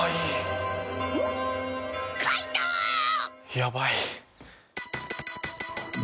やばい！